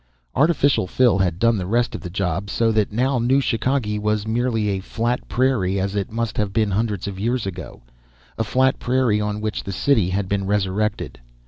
Artificial fill had done the rest of the job, so that now New Chicagee was merely a flat prairie as it must have been hundreds of years ago a flat prairie on which the city had been resurrected.